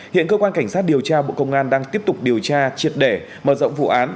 hiện cơ quan cảnh sát điều tra bộ công an đang tiếp tục điều tra triệt để mở rộng vụ án